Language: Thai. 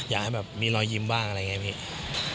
อยากให้แบบมีรอยยิ้มบ้างอะไรอย่างนี้พี่